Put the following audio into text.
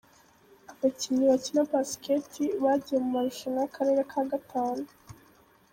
Abakinnyi bakina basikete bagiye mu marushanwa y’Akarere ka gatanu